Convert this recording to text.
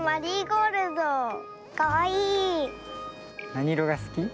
なにいろがすき？